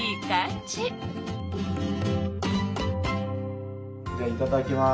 じゃあいただきます。